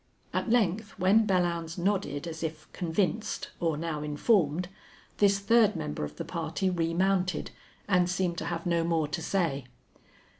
At length, when Belllounds nodded as if convinced or now informed, this third member of the party remounted, and seemed to have no more to say.